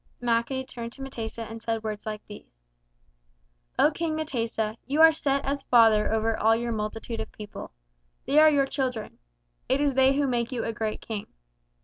Mackay turned to M'tesa and said words like these: "O King M'tesa, you are set as father over all your multitude of people. They are your children. It is they who make you a great King.